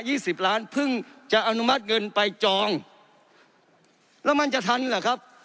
สิบล้านเพิ่งจะอนุมัติเงินไปจองแล้วมันจะทันเหรอครับ